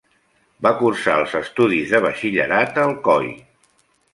Va cursar els estudis de Batxillerat a Alcoi.